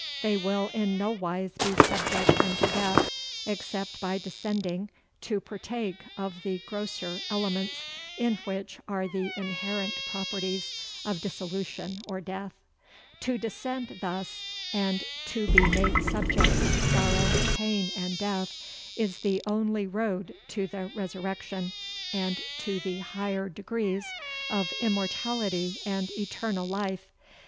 They will in no wise be subject unto death, except by descending to partake of the grosser elements, in which are the inherent properties of dissolution or death. To descend thus, and to be made subject to sorrow, pain and death, is the only road to the resurrection, and to the higher degrees of immortality and eternal life.